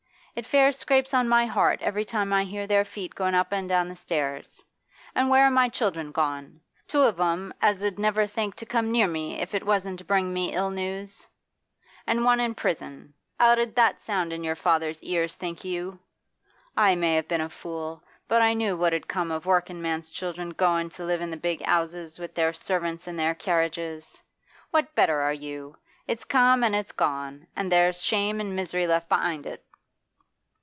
It fair scrapes on my heart every time I hear their feet going up an' down the stairs. An' where are my children gone? Two of 'em as 'ud never think to come near me if it wasn't to bring ill news, an' one in prison. How 'ud that sound in your father's ears, think you? I may have been a fool, but I knew what 'ud come of a workin' man's children goin' to live in big 'ouses, with their servants an' their carriages. What better are you? It's come an' it's gone, an' there's shame an' misery left be'ind it!